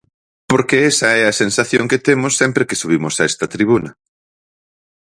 Porque esa é a sensación que temos sempre que subimos a esta tribuna.